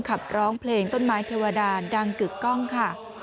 ขับร้องเพลงต้นไม้เทวดาดังกึกกล้องค่ะ